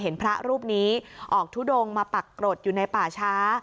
พระรูปนี้ออกทุดงมาปักกรดอยู่ในป่าช้า